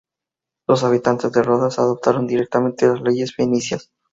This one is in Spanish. Los habitantes de Rodas adaptaron directamente las leyes fenicias.